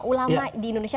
ulama di indonesia